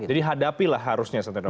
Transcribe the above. jadi hadapi lah harusnya santai dato'